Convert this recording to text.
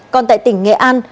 còn tại tỉnh nghệ an